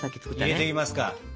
入れていきますか。